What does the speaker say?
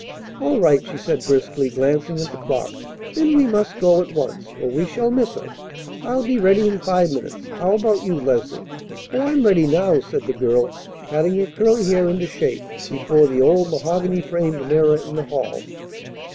"All right," she said briskly, glancing at the clock; "then we must go at once, or we shall miss her. I'll be ready in five minutes. How about you, Leslie?" "Oh, I'm ready now," said the girl, patting her curly hair into shape before the old mahogany framed mirror in the hall.